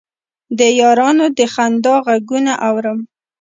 د یارانو د خندا غـږونه اورم